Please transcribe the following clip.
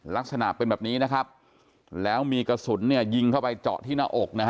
ลักษณะเป็นแบบนี้แล้วมีกระสุนยิงเข้าไปเจาะที่หน้าอก